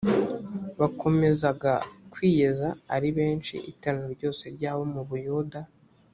bakomezaga kwiyeza ari benshi iteraniro ryose ry abo mu buyuda